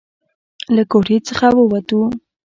له کوټې څخه ووتو.